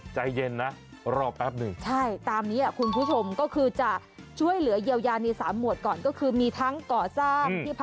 บริการการอาหารแล้วก็สถานบันเทิงแล้วก็นานธนาศาสตร์